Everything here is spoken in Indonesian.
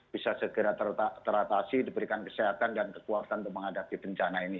bisa segera teratasi diberikan kesehatan dan kekuatan untuk menghadapi bencana ini